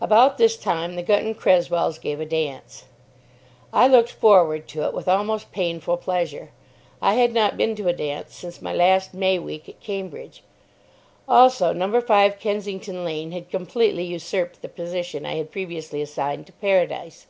About this time the Gunton Cresswells gave a dance. I looked forward to it with almost painful pleasure. I had not been to a dance since my last May week at Cambridge. Also No. 5, Kensington Lane had completely usurped the position I had previously assigned to Paradise.